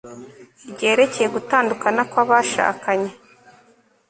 ryerekeye gutandukana kw'abashakanye